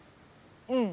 うん。